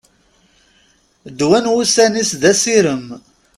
Ddwa n wussan-is d asirem.